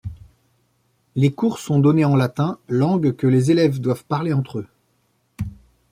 Les cours sont donnés en latin, langue que les élèves doivent parler entre eux.